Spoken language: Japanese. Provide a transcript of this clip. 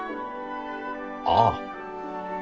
ああ。